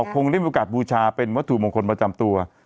คงได้มีโอกาสบูชาเป็นวัตถุมงคลประจำตัว